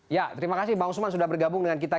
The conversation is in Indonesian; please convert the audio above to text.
ya terima kasih bang usman sudah bergabung dengan kita